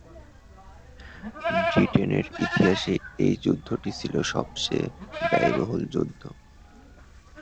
ব্রিটেনের ইতিহাসে এই যুদ্ধটি ছিল সবচেয়ে ব্যয়বহুল যুদ্ধ।